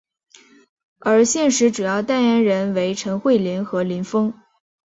而现时主要代言人为陈慧琳和林峰。